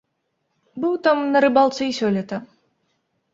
Быў там на рыбалцы і сёлета.